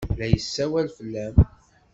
La yessawal fell-am.